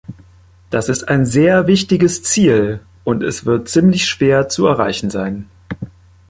Das ist ein sehr wichtiges Ziel, und es wird ziemlich schwer zu erreichen sein.